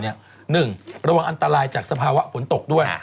หนึ่งระวังอันตรายจากสภาวะฝนตกด้วย